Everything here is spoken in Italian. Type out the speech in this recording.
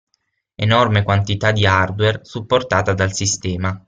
Enorme quantità di hardware supportata dal sistema.